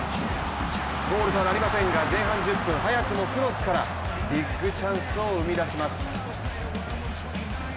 ゴールとはなりませんが前半１０分早くもクロスからビッグチャンスを生み出します。